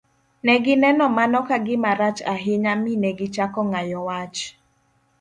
Ne gineno mano ka gima rach ahinya mi ne gichako ng'ayo wach.